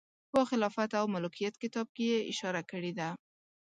په خلافت او ملوکیت کتاب کې یې اشاره کړې ده.